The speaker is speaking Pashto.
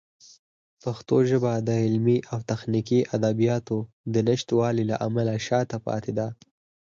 پښتو ژبه د علمي او تخنیکي ادبیاتو د نشتوالي له امله شاته پاتې ده.